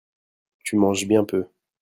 Tu manges bien peu.